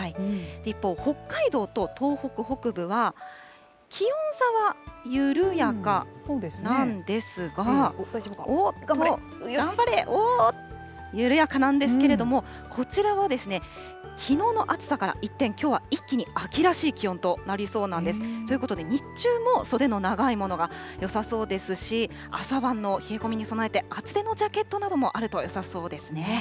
一方、北海道と東北北部は、気温差は緩やかなんですが、頑張れ、緩やかなんですけれども、こちらもきのうの暑さから一転、きょうは一気に秋らしい気温となりそうなんです。ということで、日中も袖の長いものがよさそうですし、朝晩の冷え込みに備えて、厚手のジャケットなどもあるとよさそうですね。